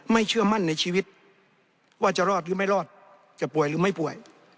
เชื่อมั่นในชีวิตว่าจะรอดหรือไม่รอดจะป่วยหรือไม่ป่วย